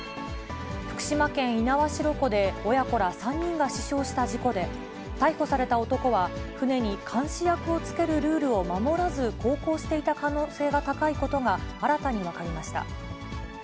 福島県猪苗代湖で、親子ら３人が死傷した事故で、逮捕された男は、船に監視役をつけるルールを守らず、航行していた可能性が高いことが新たに分かりました。